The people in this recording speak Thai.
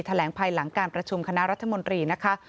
แถลงภายหลังการประชุมคณะรัฐมนตรีนะคะ